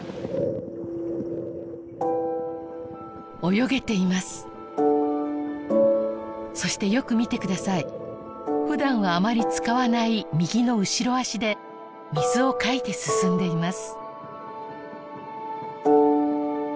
泳げていますそしてよく見てくださいふだんはあまり使わない右の後ろ足で水をかいて進んでいます